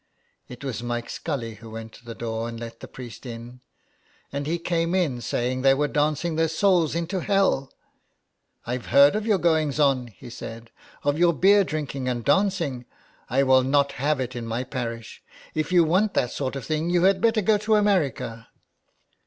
It was Mike Scully who went to the door and let the priest in, and he came in saying they were dancing their souls into hell. " I've heard of your goings on," he said —" of your beer drinking and dancing, I will not have it in my parish. If you want that sort of thing you had better go to America.''